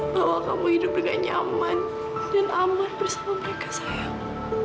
bahwa kamu hidup dengan nyaman dan aman bersama mereka sayang